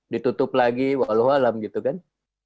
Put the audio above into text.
ditutup lagi walau alam gitu kan